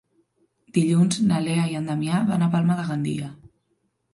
Dilluns na Lea i en Damià van a Palma de Gandia.